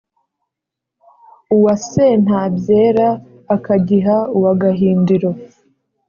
uwa séntabyera ákagiha uwa gahindiro